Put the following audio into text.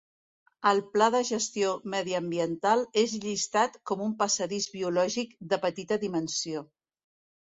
Al pla de gestió mediambiental és llistat com un passadís biològic de petita dimensió.